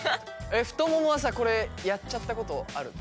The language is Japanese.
ふとももはさこれやっちゃったことあるの？